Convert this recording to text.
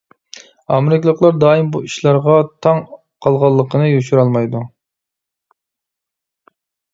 ئامېرىكىلىقلار دائىم بۇ ئىشلارغا تاڭ قالغانلىقىنى يوشۇرالمايدۇ.